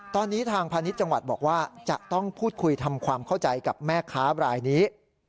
ตอนนี้ทางพาณิชย์จังหวัดบอกว่าจะต้องพูดคุยทำความเข้าใจกับแม่ค้ารายนี้